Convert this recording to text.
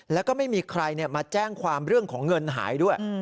แล้วก็ไม่มีใครมาแจ้งความเรื่องของเงินหายด้วย